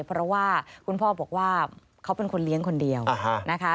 เพราะว่าคุณพ่อบอกว่าเขาเป็นคนเลี้ยงคนเดียวนะคะ